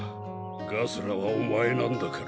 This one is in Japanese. ガスラはおまえなんだから。